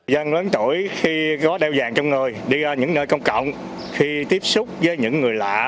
dân lớn tuổi khi có đeo vàng trong người đi ra những nơi công cộng khi tiếp xúc với những người lạ